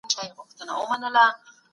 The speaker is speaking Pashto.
ایا لوی صادروونکي وچه الوچه ساتي؟